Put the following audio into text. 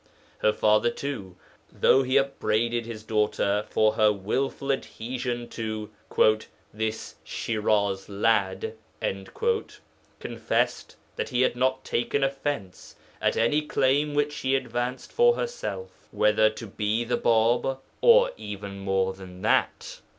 Her father, too, though he upbraided his daughter for her wilful adhesion to 'this Shiraz lad,' confessed that he had not taken offence at any claim which she advanced for herself, whether to be the Bāb or even more than that.